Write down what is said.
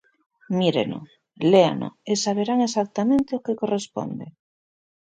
Míreno, léano e saberán exactamente o que corresponde.